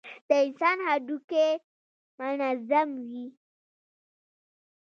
د انسان هډوکى منظم وي.